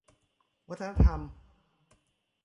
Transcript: วัฒนธรรม